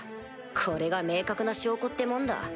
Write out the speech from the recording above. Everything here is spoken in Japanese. これが明確な証拠ってもんだ。